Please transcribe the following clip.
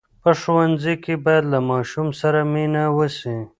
په ښوونځي کې باید له ماشوم سره مینه وسي.